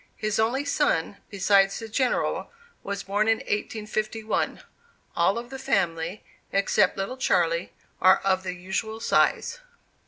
His only son, besides the General, was born in 1851. All the family, except "little Charlie," are of the usual size.